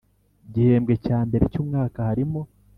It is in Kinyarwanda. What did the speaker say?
Gihembwe cya mbere cy umwaka harimo